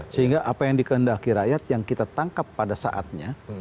sehingga apa yang dikehendaki rakyat yang kita tangkap pada saatnya